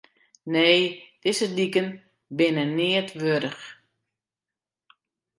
Nee, dizze diken binne neat wurdich.